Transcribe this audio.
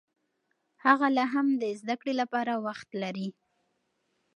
هغه لا هم د زده کړې لپاره وخت لري.